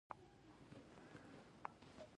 د کابل د اړتیاوو پوره کولو لپاره پوره اقدامات کېږي.